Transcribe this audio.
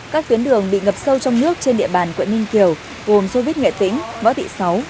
các tuyến đường bị ngập sâu trong nước trên địa bàn quyện ninh kiều gồm sô vít nghệ tĩnh võ thị sáu